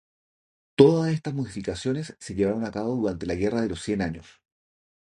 Todas estas modificaciones se llevaron a cabo durante la Guerra de los Cien Años.